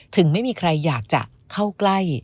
ถึงไม่มีใครอยากจะเข้าใกล้